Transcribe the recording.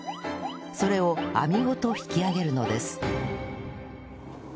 それを網ごと引き揚げるのです